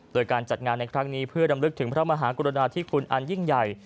โดยการจัดงานในครั้งนี้เพื่อดำลึกถึงพระมหากรุณาธิคุณอันยิ่งใหญ่